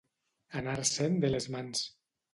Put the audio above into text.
Anar-se'n de les mans.